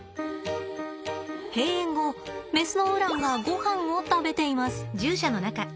閉園後メスのウランがごはんを食べています。